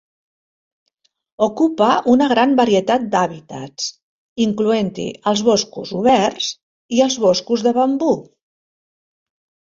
Ocupa una gran varietat d'hàbitats, incloent-hi els boscos oberts i els boscos de bambú.